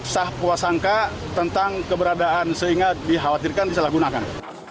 sah puasangka tentang keberadaan sehingga dikhawatirkan disalahgunakan